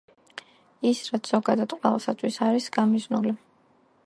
ის, რაც ზოგადად ყველასთვის არის გამიზნული.